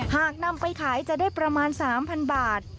หากนำไปขายจะได้ประมาณ๓๐๐บาท